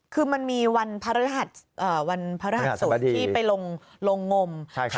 คือมันมีวันพระราชสนที่ไปลงงม